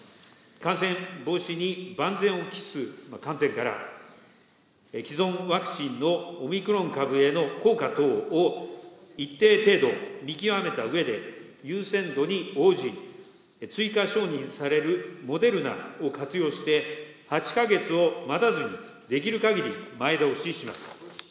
感染防止に万全を期す観点から、既存ワクチンのオミクロン株への効果等を一定程度見極めたうえで、優先度に応じ、追加承認されるモデルナを活用して、８か月を待たずにできるかぎり前倒しします。